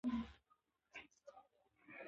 زمرد د افغانستان د جغرافیوي تنوع مثال دی.